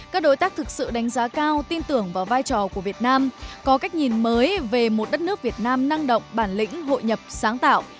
các đối tác thực sự đánh giá cao tin tưởng vào vai trò của việt nam có cách nhìn mới về một đất nước việt nam năng động bản lĩnh hội nhập sáng tạo